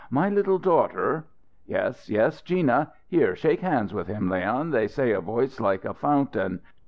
My little daughter " "Yes, yes, Gina. Here shake hands with him. Leon, they say a voice like a fountain.